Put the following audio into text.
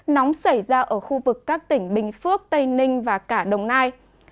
nóng xảy ra ở khu vực các tỉnh bình phước tây ninh và cả đồng nai